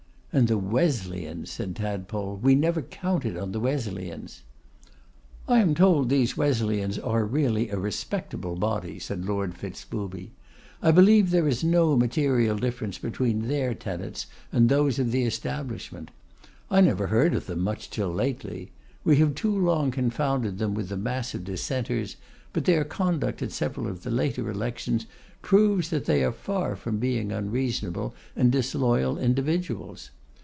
'And the Wesleyans!' said Tadpole. 'We never counted on the Wesleyans!' 'I am told these Wesleyans are really a respectable body,' said Lord Fitz Booby. 'I believe there is no material difference between their tenets and those of the Establishment. I never heard of them much till lately. We have too long confounded them with the mass of Dissenters, but their conduct at several of the later elections proves that they are far from being unreasonable and disloyal individuals.